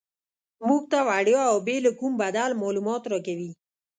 موږ ته وړیا او بې له کوم بدل معلومات راکوي.